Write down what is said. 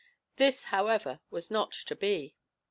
This, however, was not to be.